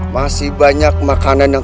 masih banyak makanan yang terlalu banyak